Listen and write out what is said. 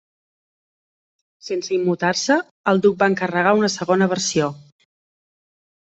Sense immutar-se, el duc va encarregar una segona versió.